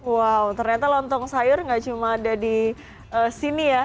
wow ternyata lontong sayur nggak cuma ada di sini ya